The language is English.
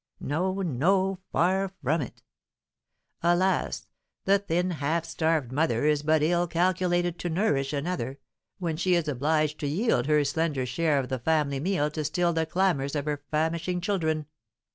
No, no, far from it. Alas, the thin, half starved mother is but ill calculated to nourish another, when she is obliged to yield her slender share of the family meal to still the clamours of her famishing children.